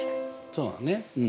そうだね。